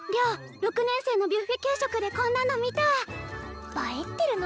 良６年生のビュッフェ給食でこんなの見た映えってる